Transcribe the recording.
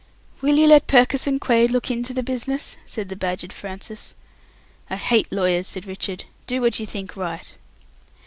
"Will you let Purkiss and Quaid look into the business?" said the badgered Francis. "I hate lawyers," said Richard. "Do what you think right."